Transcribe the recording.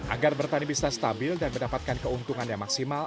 agar bertani bisa stabil dan mendapatkan keuntungan yang maksimal